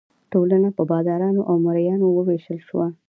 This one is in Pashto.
ټولنه په بادارانو او مرئیانو وویشل شوه.